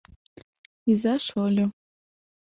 Иза-шольо